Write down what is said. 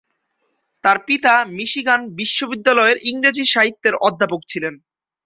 তার পিতা মিশিগান বিশ্ববিদ্যালয়ের ইংরেজি সাহিত্যের অধ্যাপক ছিলেন।